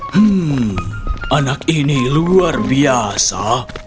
hmm anak ini luar biasa